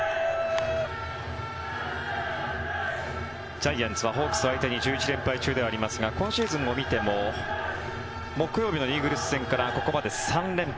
ジャイアンツはホークス相手に１１連敗中ではありますが今シーズンを見ても木曜日のイーグル戦からここまで３連敗。